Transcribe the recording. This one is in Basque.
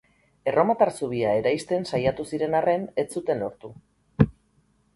Erromatar zubia eraisten saiatu ziren arren, ez zuten lortu.